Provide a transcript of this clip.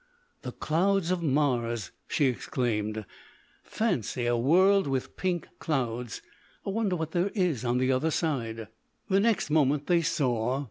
"The clouds of Mars!" she exclaimed. "Fancy a world with pink clouds! I wonder what there is on the other side." The next moment they saw.